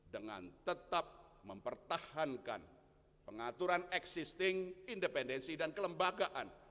dengan tetap mempertahankan pengaturan existing independensi dan kelembagaan